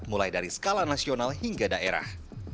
mulai dari skala nasional hingga daerah